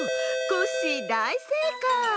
コッシーだいせいかい！